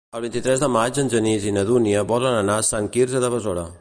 El vint-i-tres de maig en Genís i na Dúnia volen anar a Sant Quirze de Besora.